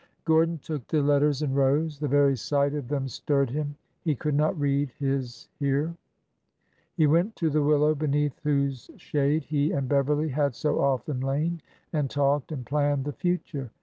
Gordon took the letters and rose. The very sight of them stirred him. He could not read his here. He went to the willow beneath whose shade he and Beverly had so often lain and talked and planned the future.